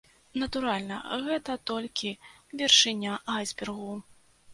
Натуральна, гэта толькі вяршыня айсбергу.